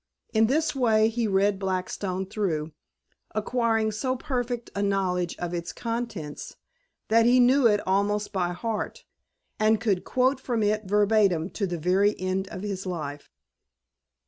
In this way he read Blackstone through, acquiring so perfect a knowledge of its contents that he knew it almost by heart, and could quote from it verbatim to the very end of his life.